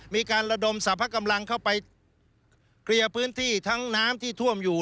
มีการระดมสรรพกำลังเข้าไปเคลียร์พื้นที่ทั้งน้ำที่ท่วมอยู่